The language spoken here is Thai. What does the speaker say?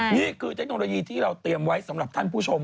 เทคโนโลยีที่เราเตรียมไว้สำหรับท่านผู้ชม